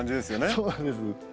そうなんです。